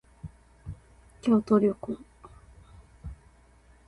京都旅行